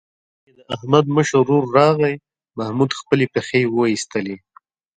چې د احمد مشر ورور راغی، محمود خپلې پښې وایستلې.